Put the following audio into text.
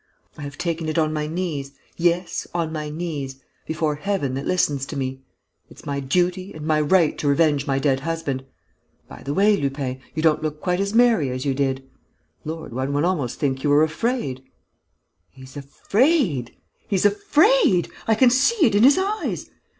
I have taken it on my knees, yes, on my knees, before Heaven that listens to me! It's my duty and my right to revenge my dead husband!... By the way, Lupin, you don't look quite as merry as you did!... Lord, one would almost think you were afraid!... He's afraid! He's afraid! I can see it in his eyes!...